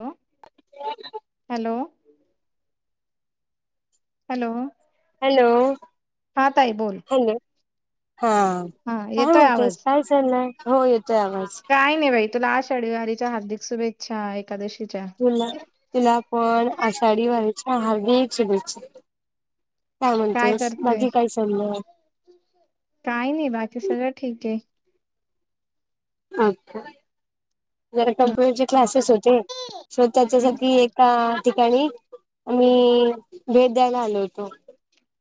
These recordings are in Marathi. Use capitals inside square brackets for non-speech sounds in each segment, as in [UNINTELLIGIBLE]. हॅ, हॅलो. हॅलो. हॅलो, हा ताई बोल हॅलो, हा हा काय येतोय म्हणते, आवाज [UNINTELLIGIBLE] हो येतोय आवाज. काय नाही बाई तुला आषाढी वारीच्या हार्दिक शुभेच्छा, एकादशीच्या. तुला, तुला पण आषाढी वारीच्या हार्दिक शुभेच्छा. काय म्हणतोयस, माझी काय. [UNINTELLIGIBLE] काही नाही बाकी सगळं ठीक आहे. अच्छा! जरा कम्प्युटरचे क्लासेस होते. ते, हम्म स्वतःच्यासाठी एका ठिकाणी आम्ही, भेट द्यायला आलो होतो.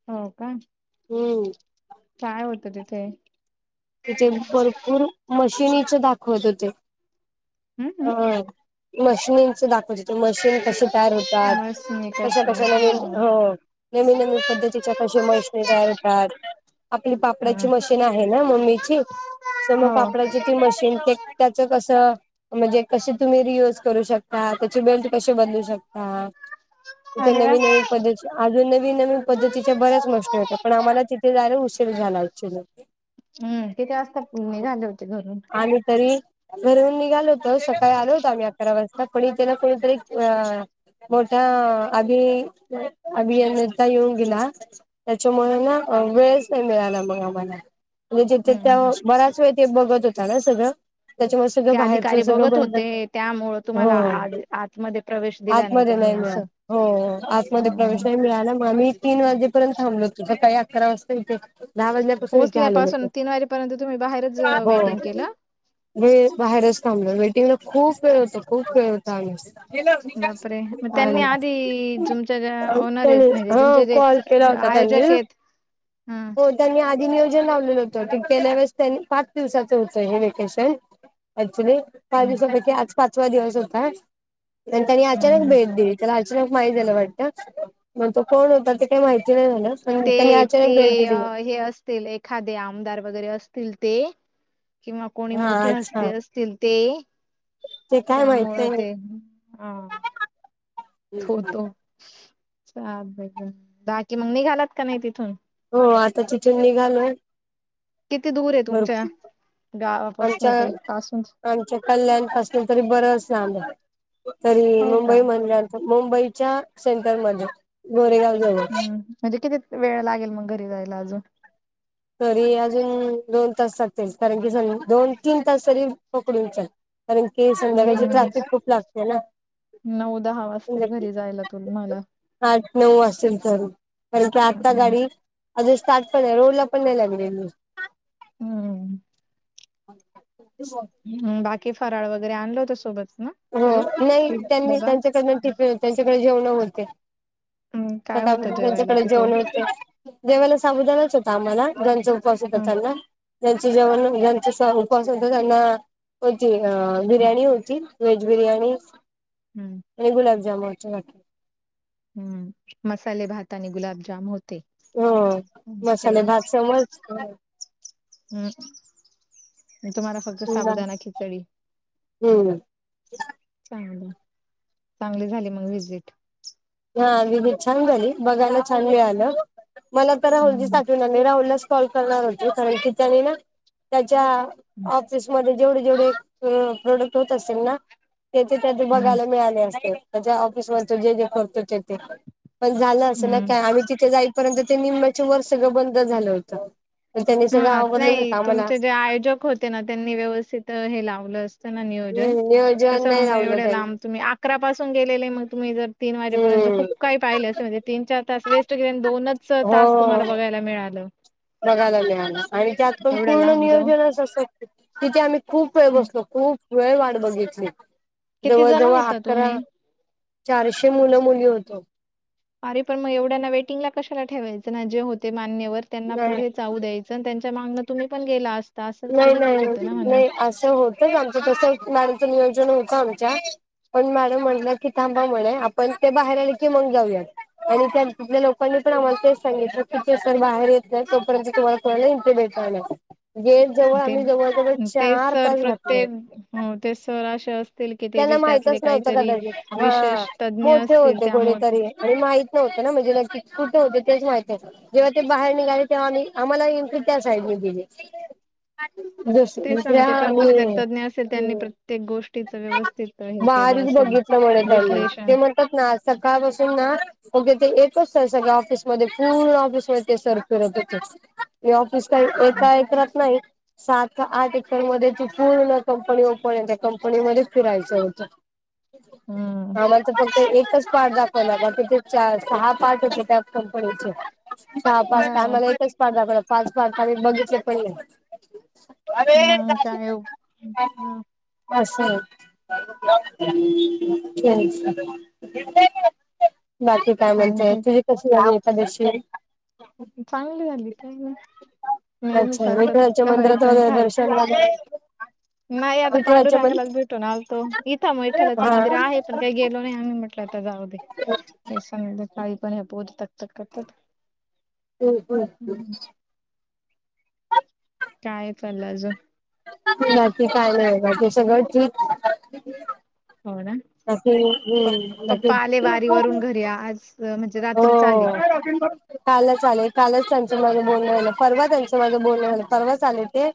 हो का. हम्म. काय होत तिथे? तिथ भरपूर मशीनीचे दाखवत होते. हम् अ, हम् मशनीनचं दाखवच. [UNINTELLIGIBLE] मशीन कशी तयार होतात. बस मी कशा कशी कशा नवीन आहे. हो. नवीन नवीन पद्धतीच्या कशा मशनी तयार होतात. आपली पापडाची हा मशीन आहे ना मम्मीची, स मग हो पापडाची ती मशीन, ते त्याच कसं म्हणजे कसे तुम्ही रियूज करू शकता, त्याचे बेल्ट कसे बदलू शकता. तिथे अरे वा नवीन नवीन. [UNINTELLIGIBLE] अजून नवीन नवीन पद्धतीच्या बऱ्याच मशनी होत्या, पण आम्हाला तिथे जायला उशीर झाला. [UNINTELLIGIBLE] हम्, किती वाजता [UNINTELLIGIBLE] होते घरून. आणि तरी. घरून निघालो होतो सकाळी आलो होतो आम्ही अकरा वाजता, पण इथे ना कुणीतरी अ मोठा, अभि अभियता येऊन गेला. त्याच्यामुळे ना वेळच नाही मिळाला मग आम्हाला. म्हणजे जेथं हम्म त्या हम्म बराच वेळ ते बघत होता ना सगळं, त्याच्यामुळे सगळं बाहेर आणि बघत होते, त्यामुळं तुम्हाला आज आतमध्ये प्रवेश दिला नाही त्यांनी असं? होओ, आतमध्ये प्रवेश हम्म नाही मिळाला मग आम्ही तीन वाजेपर्यंत थांबलोतो, सकाळी अकरा वासता इथे दहा वाजल्या पोहोचल्यापासून तीन वाजेपर्यंत तुम्ही बाहेरचअ वेटिंग हो केलं? वेळ बाहेरच थांबलो, वेटिंगला खूप वेळ होतं खूप वेळ होता आणि बापरे! मग त्यांनी आधी, जुमच्या ज्या ऑनरेत त्यांनी म्हणजे हा तुमचे जे कॉल केला होता त्यांनी आयोजकएत. हम् हो त्यांनी आधी नियोजन लावलेलं होतं की, पैल्या वेळेस त्यां पाच दिवसांचं होतं हे वेकेशन. क्च्युली पाच हम्म दिवसापैकी आज पाचवा दिवस होता आणि त्यांनी हम्म अचानक हम्म भेट दिली. त्याला अचानक माहीत झालं वाटतं, मग तो कोण होता ते काही माहिती नाही झालं. पण त्यांनी ते, ते अचानक भेट दिली हे असतील, एखादे आमदार वगरे असतील ते किंवा कोणी हा मोठे हस्ती अच्छा असतील ते ते काय माहित त्यामुळं ते, नाही आ थोतो [UNINTELLIGIBLE] दा की मग निघालात का नाही तिथून? हो, आता तिथून निघालो किती दूरय तुमच्या गावापासून ते पासूनचं? ते मच्या कल्याणपासून तरी बरंच लांबय, तरी हो का मुंबई म्हनल्यावर पण मुंबईच्या सेंटरमध्ये गोरेगाव जवळ हम्म म्हणजे कितीक वेळ लागेल मग घरी जायला अजून? तरी अजून दोन तास लागतील. कारण की सांग दोन तीन तास तरी पकडून चल. कारण की संध्याकाळची हम्म ट्रॅफिक खूप लागते ना? नऊ दहा वाजतील संध्या घरीजायला तुन मला. आठ नऊ वाजतीन तरी कारण की आत्ता हम्म गाडी अजून स्टार्ट पण जा नाइ रोडला पण नाई लागलेली. हम्म [INAUDIBLE] हं बाकी फराळ वगरे आणलंवतं सोबत ना? हो, करून नाही कि त्यांनी डबा त्यांच्याकडनं टिफिन त्यांच्याकडं जेवणं होते. हम्म काय सकाळ होतं पासून जेवायला त्यांच्याकडे तिथे जेवणं होते जेवाला साबुदाणाच होता आम्हाला, ज्यांचा उपवास होता हम्म त्यांना त्यांचे जेवण ज्यांचा उपास होता त्यांना पन अ बिर्याणी होती‌. व्हेज बिर्याणी हम्म एक गुलाब जामुनची वाटी हम्म, मसाले भात आणि गुलाबजाम होते. हो, मसाले असं. भात समज हंअ, तुम्हाला फक्त साबुदाना खिचडी? हम्म. चांगलंय, चांगली झाली मग व्हिजिट? हा, विजिट छान झाली. बघायला छान मिळालं. मला तर राहुलजीच हम्म आठवण आली राहुललाच कॉल करणार होते कारण की त्यानी ना, त्याच्या हम्म ऑफिसमध्ये जेवढे जेवढे ते प्रॉडक्ट होत असतील ना? तेचे त्यात बघायला मिळाले असते. त्याच्या ऑफिस मध्ये तो जे जे करतो ते, ते, पण झालं असं ना हम्म आम्ही तिथे जाई पर्यंत ते निम्म्याच्या वर सगळं बंद झालं होतं. पण त्यांनी हो सगळं ना आवरलंच नाही, होतं आम्हाला तुमचे जे आयोजक होते ना, त्यांनी व्यवस्थित हे लावलं अस तन ना नियोजन हम्म नियोजन कसं नाही मंग रावलं एवढ्या त्यांनी. लांब तुम्ही अकरापसून गेलेले, मग तुम्ही जर तीन वाजेपर्यंत हम्म खूप काही पाहिले असं म्हणजे तीन चार तास वेस्ट गेले. न दोनच तास तुम्हाला हो. बघायला मिळालं. बघायला मिळाल. आणि त्यात पण एवढं पूर्ण लांब जाऊन नियोजनच असय तिथे आम्ही खूप वेळ हं. बसलो. खूप वेळ वाट बघितली. किती जण जवळजवळ होता अकरा, तुम्ही चारशे मुलं मुली होतो. अरे पण मग एवढ्यांना वेटिंग ला कशाला ठेवायचं ना, जे होते मान्यवर त्यांना नाही पुढे जाऊ द्यायचं. अनं त्यांच्या मागणं तुम्ही पण गेला अस नाय, नाय, नाय, असं होतच आमचं तस, गाडीच नियोजन होतं आमच्या पण मॅडम म्हणल्या की, थांबा म्हणे आपण ते बाहेर आले की मंग जाऊयात. आणि त्या तिथल्या लोकांनी पण आम्हाला तेच सांगितलं की, ते सर बाहेर येत नाय तोपर्यंत तुम्हाला त्यांने इथं भेटणार नाय. गेट जवळ ते आम्ही जवळ जवळ ते चार सर तास घातले. प्रत्येक हो ते सर असे असतील की ते त्यांना बी त्यातले माहितच नव्हतं काहीतरी कदाचित, हा विशेष तज्ञ मोठे असतील होते कोणी त्यामुळे तरी आणि माहित नव्हतं ना, म्हणजे नेमकी कुठे होते तेच माहित [UNINTELLIGIBLE] जेव्हा ते बाहेर निघाले, तेव्हा आम्ही, आम्हाला एन्ट्री त्या साईडनी दिली. दुस तेच ना दुसऱ्या मग ते [UNINTELLIGIBLE] पण कोणीतरी तज्ञ असेल त्यांनी हो प्रत्येक गोष्टीचं व्यवस्थित हे म आधीच केलं असेल बघितलं म्हणे त्यांनी, विश्लेषण ते म्हणतात ना आज सकाळपासून ना फक्त ते एकच सर सगळ्या ऑफिसमध्ये, पूर्ण ऑफिसमध्ये ते सर फिरत होते. ते ऑफिस काय एका एकरात नाही. सात का आठ एकरमध्ये ते पूर्ण कंपनी ओपन ये, त्या कंपनीमध्ये फिरायचं होतं. हम्म आम्हाला त फक्त एकच पार्ट दा आम्हाला, तिथे चा, सहा पार्ट होते त्या कंपनीचे सहा पार्ट त हा आम्हाला एकच पार्ट दाखवला पाच पार्ट त आम्ही बघितले पण नाही. मंग काय उपयोग ना आसय तेच ना, बाकी काय म्हणताय आणखी तुझी कशी झाली एकादशी चांगली झाली, काय नाय, नेहमी सारखच ते मंदिरात वगैरे, दर्शन वगैरे नाही. आता विठ्ठलाच्या मन पांडुरंगालाच भेटून आलतो. इथं म विठ्ठलाचं हा मंदिर आहे. पण काय गेलो नाय आम्ही म ते आता जाऊ दे, ते संध्याकाळी पण ह्या पोरी तकतक करतात. तुम्ही [UNINTELLIGIBLE] काय चाललं अजून [UNINTELLIGIBLE] बाकी काय, नाय बाकी सगळं ठीक हो ना, बाकी प हम्म पप्पा आले वारी बाकी वरून घरी आ आज व म्हणजे हो रात्रीच आले. [UNINTELLIGIBLE] कालच आले, कालच त्यांचं माझं बोलण झालं. परवा त्यांचं माझं बोलण झालं. परवाच आले ते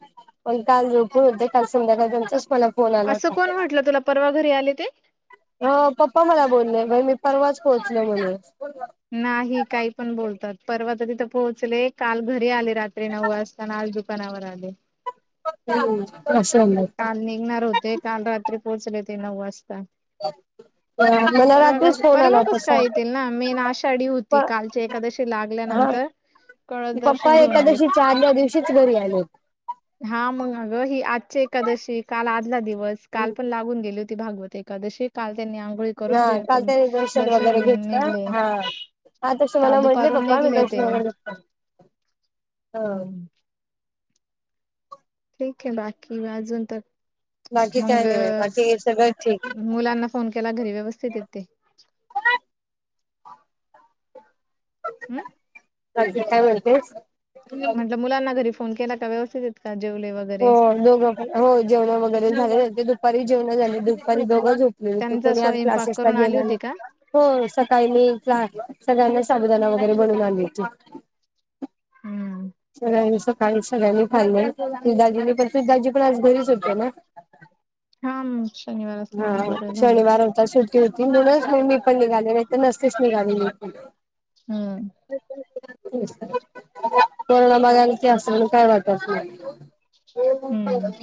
पण काल झोपून होते. काल संध्याकाळ त्यांचाच मला फोन आला असं होता. कोण म्हटलं तुला परवा घरी आले ते? हो, पप्पा मला बोलले. बाय मी परवाच पोहोचलो म्हणून नाही. काही पण बोलतात. परवा त तिथं पोहोचले. काल घरी आले. रात्री नऊ वाज ता. न आज दुकानावर आले. हं, असं होणार काल निघणार होते, काल रात्री पोहोचले ते नऊ वाजता. ह [INAUDIBLE] परवा कसं परवा कसं काय सांग येतील ना, मेन आषाढी होती, कालची एकादशी लागल्यानंतर कळस ही पप्पा दर्शन घेऊन आले एकादशीच्या आदल्या दिवशीच घरी आले होते. हा मगं अगं ही आजची एकादशी, काल आदला दिवस काल पण लागून गेली होती भागवत एकादशी, काल त्यांनी आ हा काल त्यांनी दर्शन वगैरे घेतलं, निघले हा. हा तशे काल मला म्हटले दुपारून पप्पा मी निघले दर्शन ते वैगेरे घेतलं, हं. हम्म ठीक ये बाकी अजून त बाकी काय नाय, बाकी हे सगळं ठीक ये. मुलांना फोन केला घरी व्यवस्थित ये ते. हम्म, बाकी काय म्हणतेस? म्हटलं मुलांना घरी फोन केला का? व्यवस्थित ये का? जेवले वैगे हो दोघं पण, हो जेवण वगैरे झाले, ते दुपारी जेवण झाले दुपारी दोघं झोप मी आणि त्यांचा तो आज स्वयंपाक क्लासेसला करून आली गेलेला. होती का हो सकाळी मी क्ला सगळ्यांना साबुदाना वगैरे बनवून आणायची. हम्म, सगळ्यांनी, सकाळी सगळ्यांनी खाल्लंय ते दाजी परत दाजी पण आज घरीच होते ना हा मं, हा शनिवार होता, सुट्ट सुट्टी होती म्हणूनच मं मी पण निघालेली, नाही तर नसतेच निघालेली मी पण हम्म, [INAUDIBLE] कोरोना मागा असत काय वाटात [INAUDIBLE] हम्,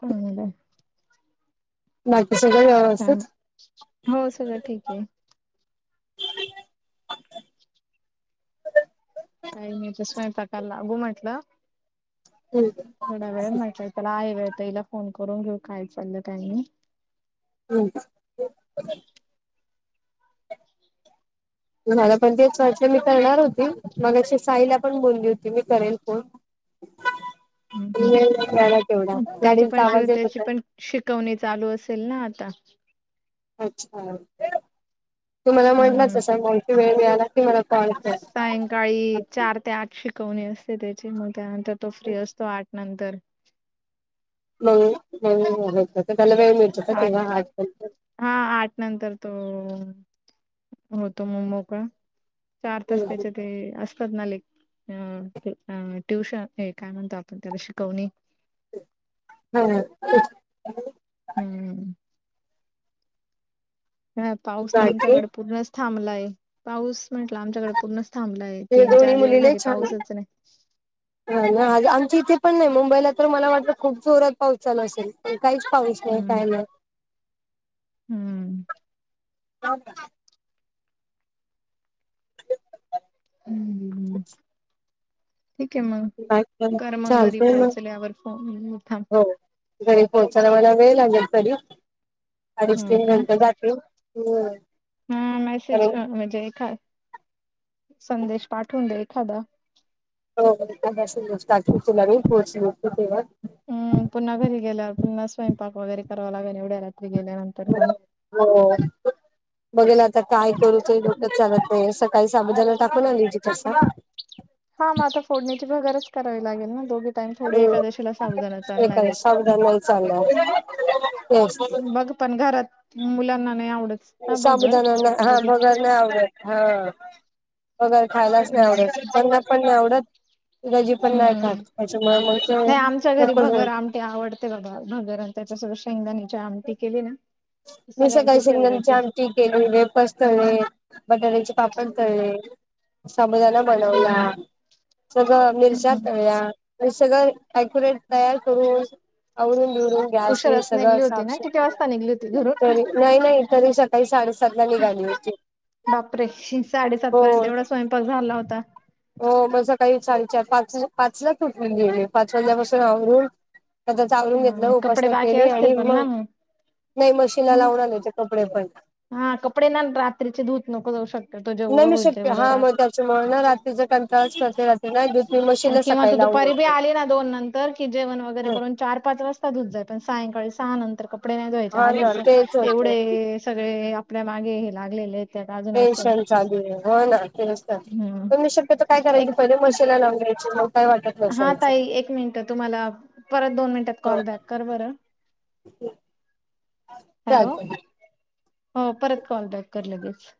कोणाला? बाकी सगळं वे हं हो, सगळं ठीक ये. काही नाही आता स्वयंपाकाला लागू म्हटलं. हं, थोडा वेळ आहे म्हटलंय तर हिला फोन करून घेऊ काय चाललं, काय नही? ह्म्म, मला पण तेच वाटलं मी करणार होती, मगाशी साईला पण बोलली होती मी करेल फोन. खला हम्म हम्म. [UNINTELLIGIBLE] तेवढा त्याची गाडींचा पण आवाज येत त्याची होता. पण शिकवणी चालू असेल ना आता? अच्छा, तुम्हाला म्हटलाच हम्म. असाच मोलकी वेळ मिळाला की मला कॉल कर. सकाळी चार ते आठ शिकवणी असते त्याची, मग त्यानंतर तो फ्री असतो आठ नंतर. मग [INAUDIBLE] त्याला वेळ मिळतो का तेव्हा आठ नंतर? हा आठ नंतर तो होतो म मोकळा. चार तास त्याचे ते अस तात ना लेक् हं ते ट्युशन हे काय म्हणतो आपण त्याला शिकवणी हं. हम्म ह पाऊस तर बाकी आमच्याकड पूर्णच थांबला आहे पाऊस म्हंटलं आमच्याकडे पूर्णच थांबलाय. तुझ्या तीन, दोन्ही चार दिवस मुली लय झाले छान पाऊसच नाही. हा ना आज आमच्या इथे पण नाही मुंबईला तर मला वाटत खूप जोरात पाऊस चालू असेल. काहीच पाऊस नाही हम्म काय नाही हम्म. [INAUDIBLE] त हम्म [UNINTELLIGIBLE] ठीक आहे मग कर मग घरी चालतंय मग पोहोचल्यावर फोन मी थांब हो घरी पोहोचायला मला वेळ लागेल तरी अडीच, हो तीन का नंतर जातील. हम्म हा कारण मेसेज म्हणजे एखा संदेश पाठवून दे एखादा. हो [INAUDIBLE] पोचले की तेव्हा. हम् पुन्हा घरी गेल्यावर पुन्हा स्वयंपाक वगैरे करावा लागल एवढ्या रात्री गेल्यानंतर पण. हो बघेल आता काय करूचे डोकेच चालत नाही आहे सट काही साबुदाणा [INAUDIBLE] हा मग आता फोडणीची भगरच करावी लागेल ना दोघी टाईम थोडी हम्म एकादशीला साबुदाणा हे चालणार आहे. [INAUDIBLE] बघ पण घरात मुलांना नाही आवडत. ना भगर साबुदाणा ना हा शक्यतो ते. भगर नाही आवडत हा. भगर खायलाच नाही हम्म आवडत [UNINTELLIGIBLE] पण नाही आवडत. जिजाजी पण नाही हम्म खात त्याच्यामुळे म ते नकोच बोल ते आवडते बाबा भगर अन् त्यांच्यासोबत शेंगदाण्याची आमटी केली ना मी सगळ्यांची सकाळी फेवरेट शेंगदाण्याची आहे. आम टी केली, वेफर्स तळले, बटाट्याचे पापड तळले, साबुदाणा बनवला हम्म सगळं मिरच्या हम्म तळल्या ते सगळं एक्युरेट तयार करून आवरून, बिरून उशिराच निघली होती ना किती वाजता निघली होती घरून? तरी नाही- नाही तरी सकाळी साडे-सातला निघाली होती हो. प झाला होता. हो म सकाळी साडे चार, पाच पाचलाच उठून गेले पाच वाजल्यापासून आवरून आता चालून घेतलं ह कपडे उपासना बाकी केली असतील आणि पण मग ना नाही मशीनला लावून आले ते कपडे पण. हा कपडे ना रात्रीचे धूत नको जाऊ शक्यतो जेवढं होईल तेवढं रात् त्याच्यामुळ ना रात्रीचं कंटाळाच करतय रात्री नाही दूध मी आणि मशीनला किंवा तू सकाळी लावून दुपारी बी देते. आली ना दोन नंतर की जेवण वगैर करून चार, पाच वाज [UNINTELLIGIBLE] सायंकाळी सहा नंतर कपडे नाही धुवायचे हा ना आधीच तेच एवढ होतंय सगळे आपल्या मागे हे लागलेले आहेत. टेन्शन चालू आहे होय ना टेन्शन. हम्म पण मी शक्यतो काय करायची एक पहिले मशीनला लावून घ्यायची मग काय वाट हा ताई एक मिनिट तुम्हाला परत दोन मिनिटात हो कॉल बॅक कर बरं. हॅलो [UNINTELLIGIBLE] हो परत कॉल बॅक कर लगेच.